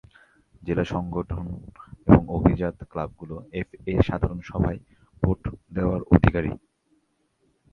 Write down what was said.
জেলা সংগঠন এবং অভিজাত ক্লাবগুলো এফএ-এর সাধারণ সভায় ভোট দেওয়ার অধিকারী।